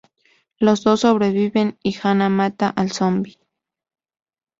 Los dos sobreviven, y Hanna mata al zombi.